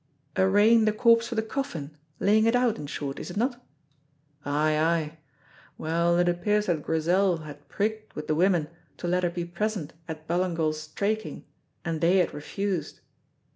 "Arraying the corpse for the coffin, laying it out, in short, is it not?" "Ay, ay. Well, it appears that Grizel had prigged with the women to let her be present at Ballingall's straiking, and they had refused."